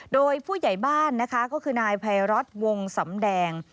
โดยผู้ใหญ่บ้านก็คือนายไพร็อทวงศ์สำแดง